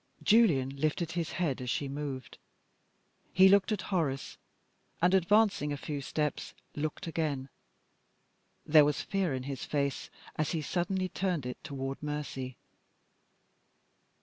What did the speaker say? Julian lifted his head as she moved. He looked at Horace, and advancing a few steps, looked again. There was fear in his face, as he suddenly turned it toward Mercy.